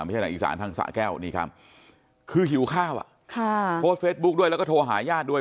ทางอีสานทางสะแก้วนี่ครับคือหิวข้าวอ่ะค่ะโพสต์เฟซบุ๊คด้วยแล้วก็โทรหาญาติด้วย